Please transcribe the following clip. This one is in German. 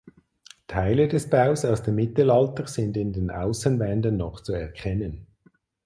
Teile des Baus aus dem Mittelalter sind in den Außenwänden noch zu erkennen.